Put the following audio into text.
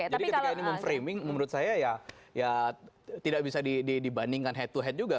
jadi ketika ini memframing menurut saya ya tidak bisa dibandingkan head to head juga